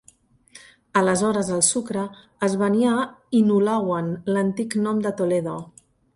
Aleshores, el sucre es venia a Hinulawan, l'antic nom de Toledo.